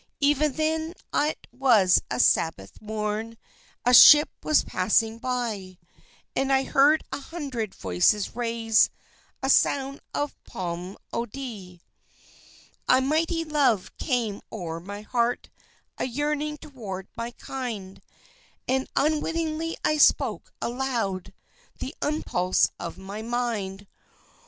Even then it was a Sabbath morn; A ship was passing by, And I heard a hundred voices raise A sound of psalmody. A mighty love came o'er my heart, A yearning toward my kind, And unwittingly I spoke aloud The impulse of my mind.